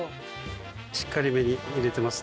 しっかりめに入れてます。